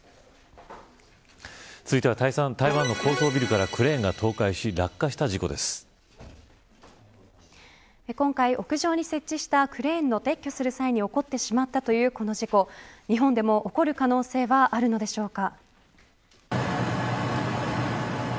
続いては台湾の高層ビルからクレーンが倒壊し今回、屋上に設置したクレーンを撤去する際に起こってしまったというこの事故は日本でも起こる可能性はあるんでしょうか。